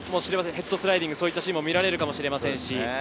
ヘッドスライディング、そういったシーンも見られるかもしれません。